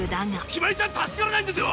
ひまりちゃん助からないんですよ！